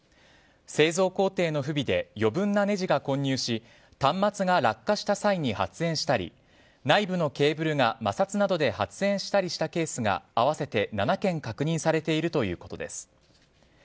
製造工程の不備で余分なネジが混入し端末が落下した際に発煙したり内部のケーブルが摩擦などで発煙したりしたケースが合わせて７件確認されているということです。